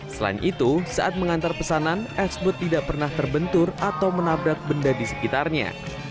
selain itu saat mengantar pesanan sbut tidak pernah terbentur atau menabrak benda di sekitarnya